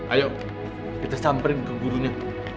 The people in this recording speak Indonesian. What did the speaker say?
ayo kita samperin ke gurunya